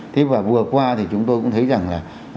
thế và vừa qua thì chúng tôi cũng thấy rằng là